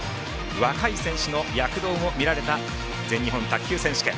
若い選手の躍動も見られた全日本卓球選手権。